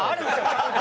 ちゃんと。